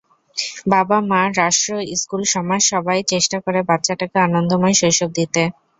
বাবা-মা, রাষ্ট্র, স্কুল, সমাজ সবাই চেষ্টা করে বাচ্চাটাকে আনন্দময় শৈশব দিতে।